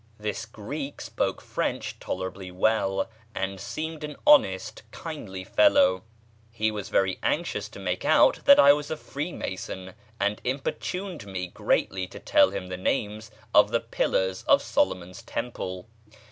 This Greek spoke French tolerably well, and seemed an honest, kindly fellow. He was very anxious to make out that I was a free mason, and importuned me greatly to tell him the names of the pillars of Solomon's temple.